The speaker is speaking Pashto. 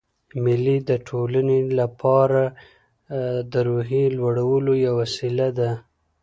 مېلې د ټولنې له پاره د روحیې لوړولو یوه وسیله ده.